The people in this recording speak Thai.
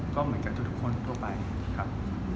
ก็เหมือนกับทุกคนทั่วไปครับ